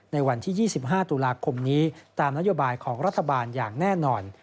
ในวันที่๒๕ตุลาคมนี้ตามนโยบายของรัฐบาลอย่างแน่นอน